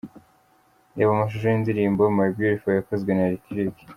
Reba amashusho y’indirimbo my Beautiful yakozwe na Lick Lick :.